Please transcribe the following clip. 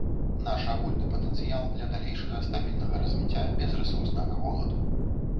Наш агульны патэнцыял для далейшага стабільнага развіцця без рэсурснага голаду.